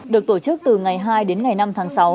được tổ chức từ ngày hai đến ngày năm tháng sáu